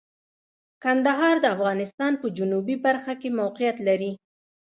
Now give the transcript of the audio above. کندهار د افغانستان په جنوبی برخه کې موقعیت لري.